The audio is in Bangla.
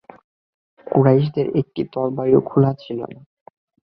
কুরাইশদের একটি তরবারিও খোলা ছিল না।